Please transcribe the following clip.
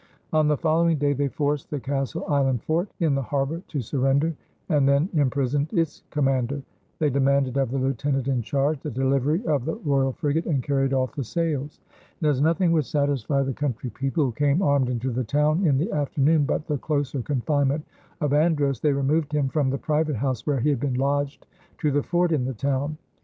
On the following day, they forced the Castle Island fort in the harbor to surrender and then imprisoned its commander; they demanded of the lieutenant in charge the delivery of the royal frigate and carried off the sails; and as nothing would satisfy the country people who came armed into the town in the afternoon but the closer confinement of Andros, they removed him from the private house where he had been lodged to the fort in the town.